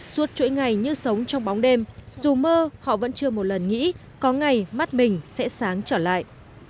suốt chuỗi ngày như sống trong bóng đêm dù mơ họ vẫn chưa một lần nghĩ có ngày mắt mình sẽ sáng trở lại